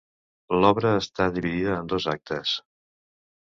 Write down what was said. L'obra està dividida en dos actes.